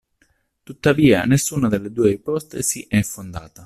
Tuttavia, nessuna delle due ipotesi è fondata.